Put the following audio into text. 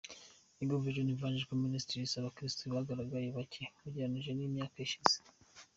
Eagle Vision Evangelical Mnistries abakirisitu bagaragaye ari bake ugereranyije n’imyaka ishize.